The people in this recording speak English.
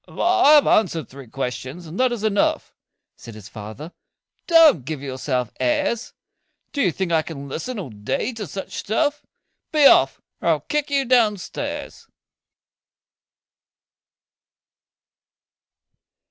"I have answered three questions, and that is enough," Said his father. "Don't give yourself airs! Do you think I can listen all day to such stuff? Be off, or I'll kick you down stairs.